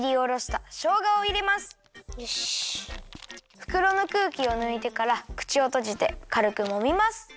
ふくろのくうきをぬいてからくちをとじてかるくもみます。